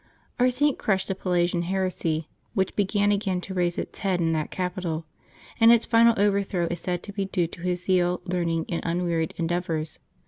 Our Saint crushed the Pelagian heresy, which began again to raise its head in that capital, and its final overthrow is said to be due to his zeal, learning, and unwearied endeavors.